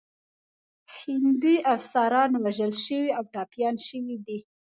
هندي افسران وژل شوي او ټپیان شوي دي.